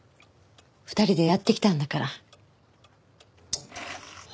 ２人でやってきたんだから。